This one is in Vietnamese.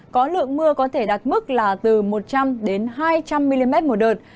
có lượng mưa có thể đạt mức là từ một trăm linh đến hai trăm linh mm một đợt